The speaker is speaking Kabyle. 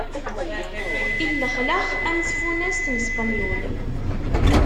Illexlex am tfunast n ṣpenyul.